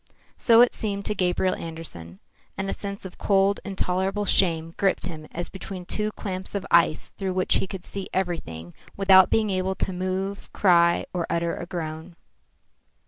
So it seemed to Gabriel Andersen; and a sense of cold, intolerable shame gripped him as between two clamps of ice through which he could see everything without being able to move, cry out or utter a groan.